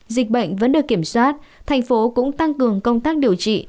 dịch bệnh vẫn được kiểm soát thành phố cũng tăng cường công tác điều trị